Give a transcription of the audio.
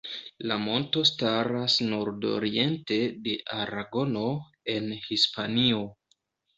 La monto staras nord-oriente de Aragono, en Hispanio.